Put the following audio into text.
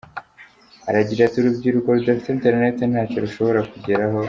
Aragira ati “Urubyiruko rudafite internet ntacyo rushobora kugeraho.